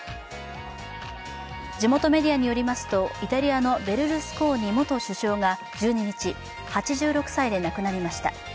地元メディアによりますと、イタリアのベルルスコーニ元首相が１２日、８６歳で亡くなりました。